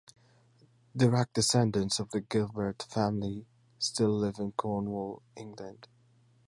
Direct descendants of the Gilbert family still live in Cornwall, England.